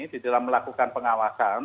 di dalam melakukan pengawasan